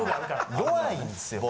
弱いんですよ。